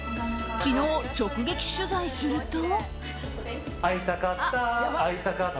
昨日、直撃取材すると。